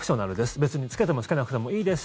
別に着けても着けなくてもいいです